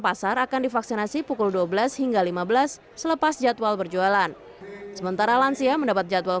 pasar akan divaksinasi pukul dua belas hingga lima belas selepas jadwal berjualan sementara lansia mendapat jadwal